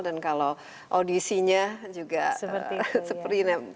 dan kalau audisinya juga seperti ini